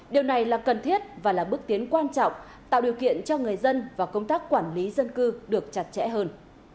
điều này là cần thiết và là bước tiến quan trọng tạo điều kiện cho người dân và công tác quản lý dân cư được chặt chẽ hơn